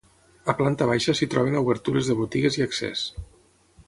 A planta baixa s'hi troben obertures de botigues i accés.